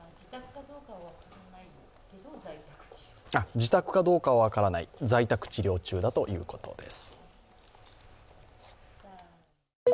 自宅かどうかは分からない、在宅治療中だということです。